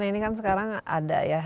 nah ini kan sekarang ada ya